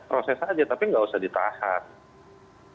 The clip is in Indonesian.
proses saja tapi nggak usah ditahan